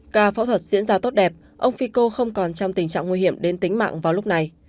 ca phẫu thuật diễn ra tốt đẹp ông fico không còn trong tình trạng nguy hiểm đến tính mạng vào lúc này